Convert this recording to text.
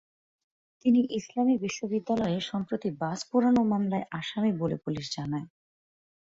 তিনি ইসলামী বিশ্ববিদ্যালয়ে সম্প্রতি বাস পোড়ানো মামলায় আসামি বলে পুলিশ জানায়।